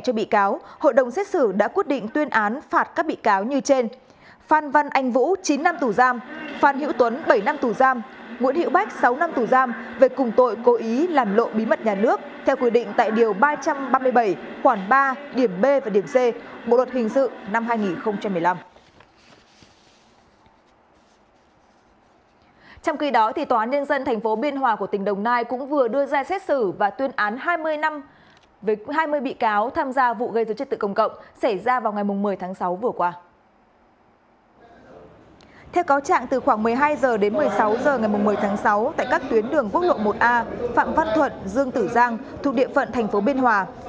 trước có trạng từ khoảng một mươi hai h đến một mươi sáu h ngày một mươi tháng sáu tại các tuyến đường quốc lộ một a phạm văn thuận dương tử giang thuộc địa phận thành phố biên hòa